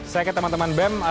saya ke teman teman bem